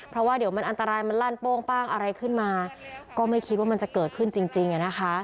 เพราะว่าเดี๋ยวมันอันตรายมันลั่นโป้งป้างอะไรขึ้นมาก็ไม่คิดว่ามันจะเกิดขึ้นจริง